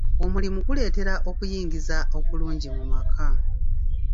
Omulimu guleetera okuyingiza okulungi mu maka.